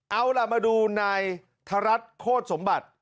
เอาล่ะมาดูนายธรัฐโคตรสมบัติ